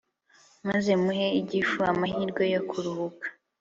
maze muhe igifu amahirwe yo kuruhuka